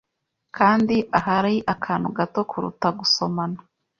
Kandi ahari akantu gato kuruta gusomana